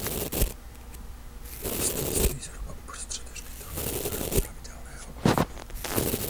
Kostel stojí zhruba uprostřed hřbitova ve tvaru nepravidelného oválu.